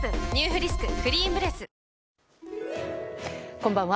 こんばんは。